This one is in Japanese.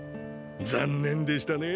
残念でしたね